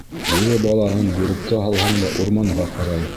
Бүре балаһын бүреккә һалһаң да урманға ҡарай.